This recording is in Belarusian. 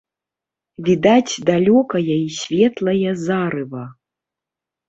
Відаць далёкае і светлае зарыва.